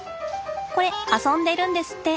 これ遊んでるんですって。